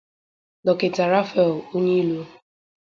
Dọkịta Raphael Onyilo